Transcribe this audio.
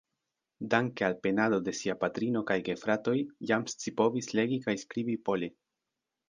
Danke al penado de sia patrino kaj gefratoj jam scipovis legi kaj skribi pole.